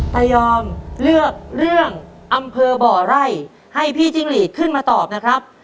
ตายอมเลือกเรื่องอำเภอบ่อไร่ให้พี่จิ้งหลีดขึ้นมาตอบนะครับ